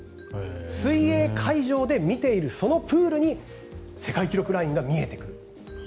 水泳会場で見ているそのプールに世界記録ラインが見えてくる。